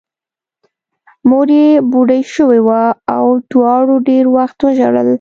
مور یې بوډۍ شوې وه او دواړو ډېر وخت وژړل